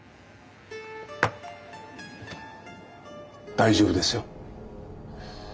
大丈夫ですよ。